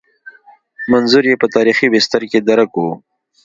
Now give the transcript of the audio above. منظور یې په تاریخي بستر کې درک کوو.